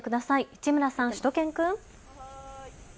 市村さん、しゅと犬くん。